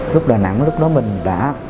lúc đà nẵng lúc đó mình đã